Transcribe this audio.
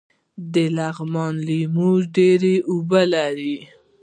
د لغمان لیمو ډیر اوبه لري